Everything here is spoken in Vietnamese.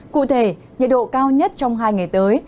cụ thể nhiệt độ cao nhất trong hai ngày tới